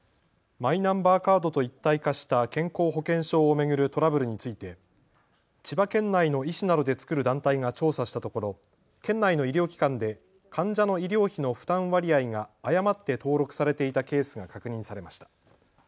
マイナンバーカードと一体化した健康保険証を巡るトラブルについて千葉県内の医師などで作る団体が調査したところ県内の医療機関で患者の医療費の負担割合が誤って登録されていたケースが確認されました。